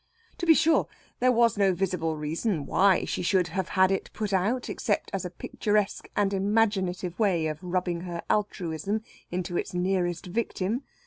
To be sure there was no visible reason why she should have had it put out, except as a picturesque and imaginative way of rubbing her altruism into its nearest victim.